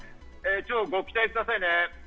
ご期待くださいね。